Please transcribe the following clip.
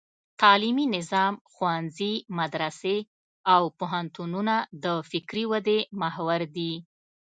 تعلیمي نظام: ښوونځي، مدرسې او پوهنتونونه د فکري ودې محور دي.